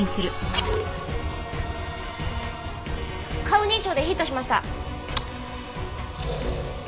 顔認証でヒットしました！